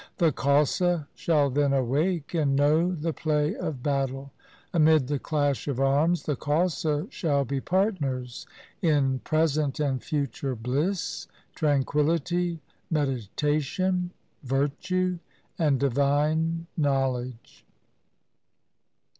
The Khalsa shall then awake, and know the play of battle. Amid the clash of arms the Khalsa shall be partners in present and future LIFE OF GURU GOBIND SINGH 157 bliss, tranquillity, meditation, virtue, and divine knowledge.